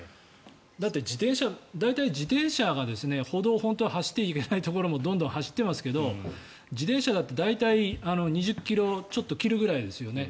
だって自転車大体、自転車が歩道を本当は走ってはいけないところもどんどん走っていますけど自転車だって大体２０ｋｍをちょっと切るぐらいですよね。